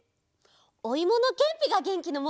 おいものけんぴがげんきのもと！